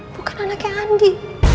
bukan anaknya andi